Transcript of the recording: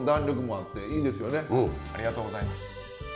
ありがとうございます。